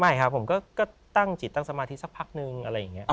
ไม่ครับผมก็ตั้งจิตตั้งสมาธิสักพักนึงอะไรอย่างนี้